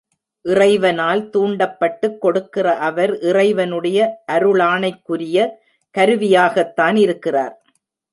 இறைவனால் தூண்டப்பட்டுக் கொடுக்கிற அவர் இறைவனுடைய அருளாணைக்குரிய கருவியாகத்தான் இருக்கிறார்.